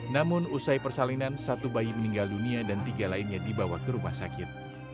namun usai persalinan satu bayi meninggal dunia dan tiga lainnya dibawa ke rumah sakit